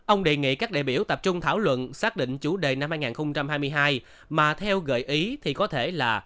ông đề nghị các đại biểu tập trung thảo luận xác định chủ đề năm hai nghìn hai mươi hai mà theo gợi ý thì có thể là